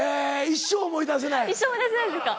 一生思い出せないですか。